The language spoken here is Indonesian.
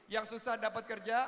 yang susah dapat kerja